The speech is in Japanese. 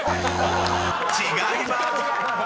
［違いまーす！］